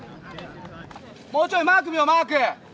もうちょいマーク見ようマーク。